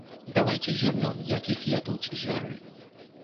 Давайце зірнём, як іх ядуць звяры.